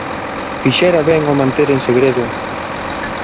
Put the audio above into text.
¿Fixera ben ao manter en segredo...?